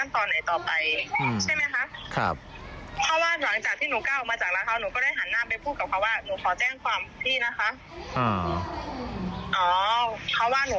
โต๊ะครัว